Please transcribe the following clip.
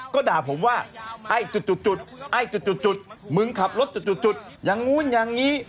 ก็ด่าผมว่าไอ้จุดไอ้จุดมึงขับรถจุดอย่างนู้นอย่างนี้